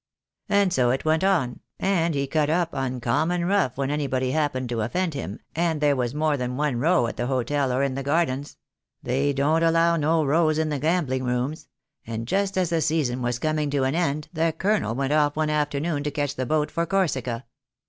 And so it went on, and he cut up uncommon rough when anybody happened to offend him, and there was more than one row at the hotel or in the gardens — they don't allow no rows in the gambling rooms — and just as the season was coming to an end the Colonel went off one afternoon to catch the boat for Corsica.